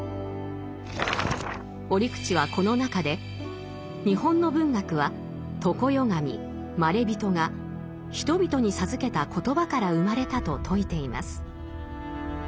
折口はこの中で「日本の文学は常世神・まれびとが人々に授けた言葉から生まれた」と説いています。